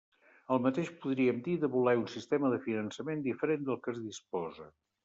El mateix podríem dir de voler un sistema de finançament diferent del que es disposa.